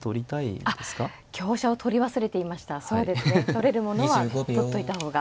取れるものは取っといた方が。